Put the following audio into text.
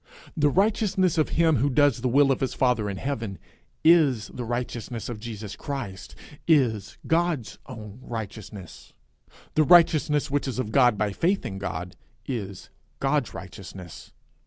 The righteousness of him who does the will of his father in heaven, is the righteousness of Jesus Christ, is God's own righteousness. The righteousness which is of God by faith in God, is God's righteousness.